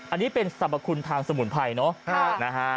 อันนี้เป็นสรรพคุณทางสมุนไพร